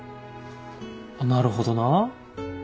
なるほどな。